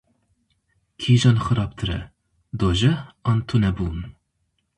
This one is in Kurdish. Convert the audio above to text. Kîjan xirabtir e, dojeh an tunebûn?